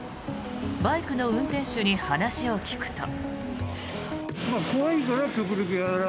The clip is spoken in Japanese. バイクの運転手に話を聞くと。